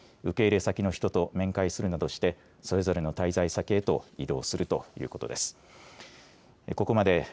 受け入れ先の人と面会するなどしてそれぞれの滞在先へと移動するということです。